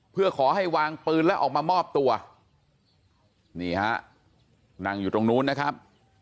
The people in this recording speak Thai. เพื่อขอให้วางปืนแล้วออกมามอบตัวนี่ฮะนั่งอยู่ตรงนู้นนะครับ